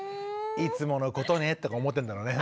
「いつものことね」とか思ってんだろうね。